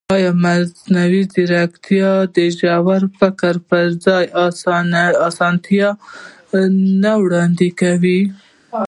ایا مصنوعي ځیرکتیا د ژور فکر پر ځای اسانتیا نه وړاندې کوي؟